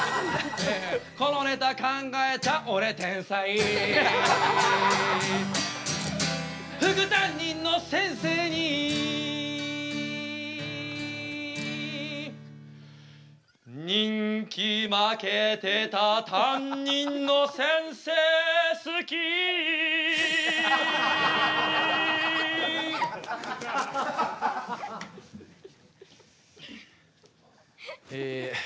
このネタ考えた俺天才副担任の先生に人気負けてた担任の先生好きえ